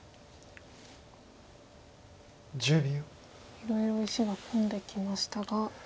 いろいろ石が混んできましたが。